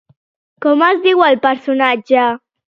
Com es diu el personatge?